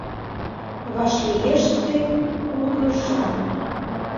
Вашлиеш ты кугыжам.